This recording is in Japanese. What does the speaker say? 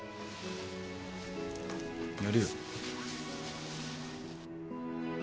やるよ。